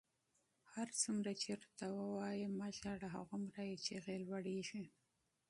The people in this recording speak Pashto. هرڅومره چې ورته وایم مه ژاړه، هغومره یې چیغې لوړېږي.